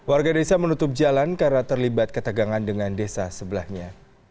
warga desa menutup jalan karena terlibat ketegangan dengan desa sebelahnya